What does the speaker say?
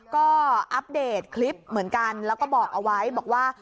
ก็อัปเดตคลิปเหมือนกันแล้วก็บอกเอาไว้บอกว่า